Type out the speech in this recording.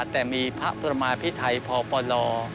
แต่มีพระประมาพิไทยพปล